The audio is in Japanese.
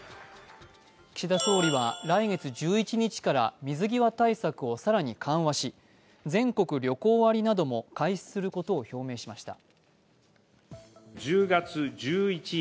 岸田総理は来月１１日から水際対策を更に緩和し全国旅行割なども開始することを表明しました。